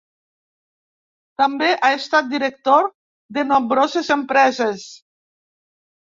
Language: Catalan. També ha estat director de nombroses empreses.